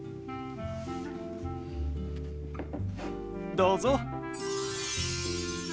どうぞ。